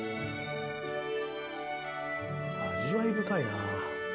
味わい深いなあ。